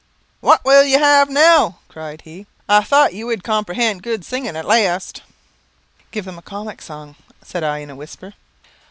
"What will you have now?" cried he. "I thought you would comprehend good singing at last." "Give them a comic song," said I, in a whisper.